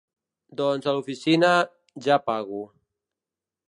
Doncs a l'oficina ja pago.